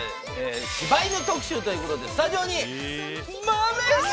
柴犬特集ということでスタジオに。